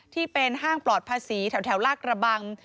ที่เป็นห้างปลอดภาษีแถวลากระบัง